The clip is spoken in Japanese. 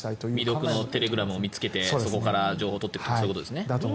未読のテレグラムを見つけてそこから情報を取っていくとかってことですね。